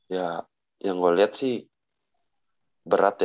ya yang gua liat sih berat ya